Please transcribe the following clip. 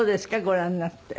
ご覧になって。